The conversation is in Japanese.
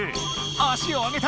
足を上げた！